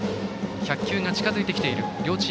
１００球が近づいている森谷。